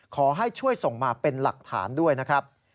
ขอให้ช่วยส่งมาเป็นหลักฐานด้วยนะครับ